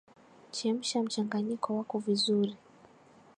chemsha mchanganyiko wako vizuri